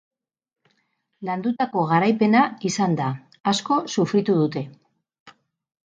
Landutako garaipena izan da, asko sufritu dute.